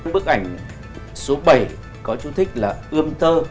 bức ảnh số bảy có chú thích là ươm tơ